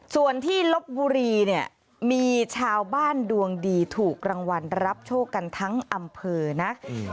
ส่วนที่ลบบุรีเนี่ยมีชาวบ้านดวงดีถูกรางวัลรับโชคกันทั้งอำเภอนะ